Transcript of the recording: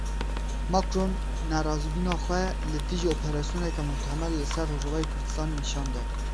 Macron nerazîbûna xwe li dijî operasyoneke muhtemel li ser Rojavayê Kurdistanê nîşan da.